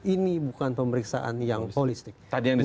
ini bukan pemeriksaan yang holistik